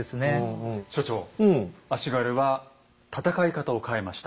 所長足軽は戦い方を変えました。